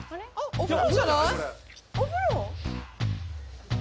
お風呂。